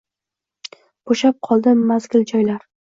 Bo‘shab qoldi mazgil joylar.